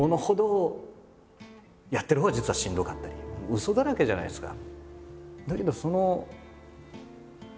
ウソだらけじゃないですか。